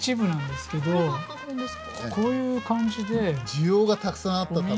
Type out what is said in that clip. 需要がたくさんあったために。